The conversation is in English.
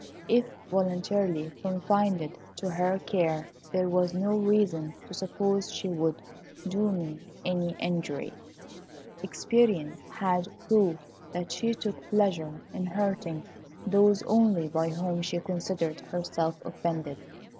If voluntarily confided to her care there was no reason to suppose she would do me any injury. Experience had proved that she took pleasure in hurting those only by whom she considered herself offended.